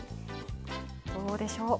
どうでしょう？